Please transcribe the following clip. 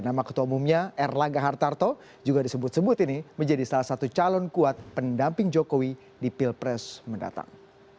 nama ketua umumnya erlangga hartarto juga disebut sebut ini menjadi salah satu calon kuat pendamping jokowi di pilpres mendatang